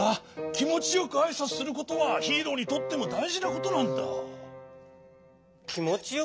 きもちよくあいさつすることはヒーローにとってもたいじなことなんだ。